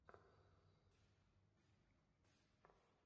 তুমি তাতে সুর মিলিয়েছ।